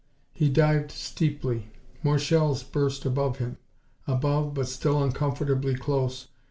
He dived steeply. More shells burst above him. Above, but still uncomfortably close.